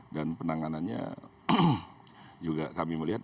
dan penanganannya juga kami melihat